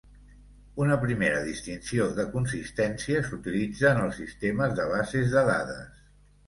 Una primera distinció de consistència s'utilitza en els sistemes de bases de dades.